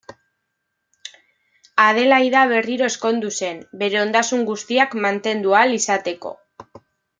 Adelaida berriro ezkondu zen, bere ondasun guztiak mantendu ahal izateko.